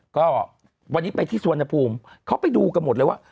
ก็วันนี้ไปที่สุวรรณภูมิเขาไปดูกันหมดเลยว่า